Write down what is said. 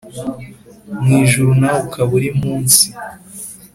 mu ijuru nawe ukaba uri mu isi